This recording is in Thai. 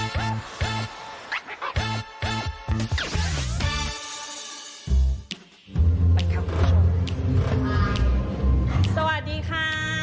สวัสดีค่ะ